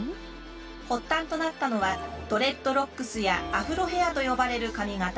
発端となったのはドレッドロックスやアフロヘアと呼ばれる髪型。